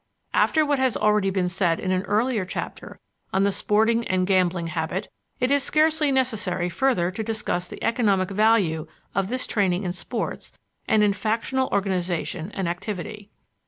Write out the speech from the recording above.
After what has already been said in an earlier chapter on the sporting and gambling habit, it is scarcely necessary further to discuss the economic value of this training in sports and in factional organization and activity.